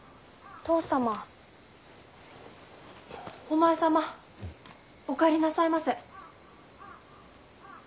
お前様お帰りなさいませ。